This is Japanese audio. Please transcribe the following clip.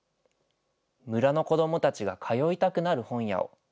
村の子どもたちが通いたくなる本屋を。